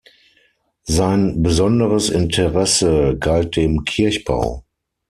Sein besonderes Interesse galt dem Kirchbau.